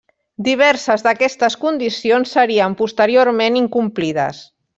Diverses d'aquestes condicions serien posteriorment incomplides.